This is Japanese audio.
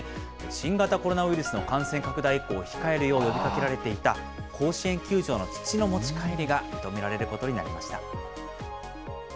新型コロナウイルスの感染拡大以降、控えるように呼びかけられていた甲子園球場の土の持ち帰りが認められることになりました。